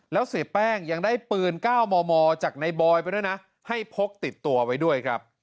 แล้วเสียแป้งยังได้ปืน๙มมจากในบอยไปด้วยนะให้พกติดตัวไว้ด้วยครับ